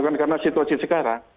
bukan karena situasi sekarang